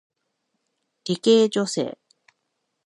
理系女性